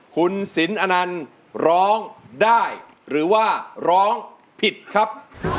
คุณสินอนันต์ร้องได้หรือว่าร้องผิดครับ